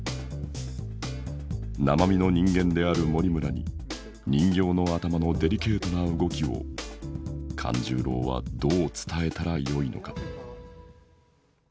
生身の人間である森村に人形の頭のデリケートな動きを勘十郎はどう伝えたらよいのか？